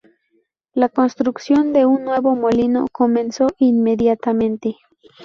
La construcción de un nuevo molino comenzó inmediatamente.